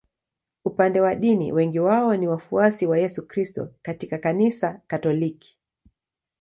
Upande wa dini wengi wao ni wafuasi wa Yesu Kristo katika Kanisa Katoliki.